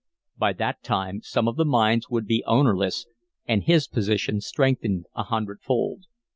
By that time some of the mines would be ownerless and his position strengthened a hundredfold.